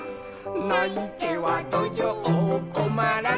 「ないてはどじょうをこまらせた」